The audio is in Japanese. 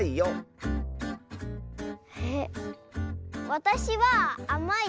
わたしはあまいですか？